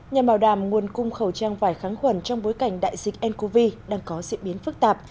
nhà bào đàm nguồn cung khẩu trang vải kháng khuẩn trong bối cảnh đại dịch ncov đang có diễn biến phức tạp